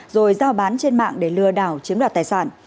rồi giao bán trên mạng để lừa đảo chiếm đoạt tài sản